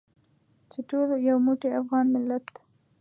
چې ټول یو موټی افغان ملت.